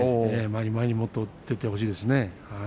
前に前にもっと出てほしいですね。